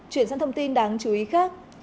chuyển sang thông tin đáng chú ý khác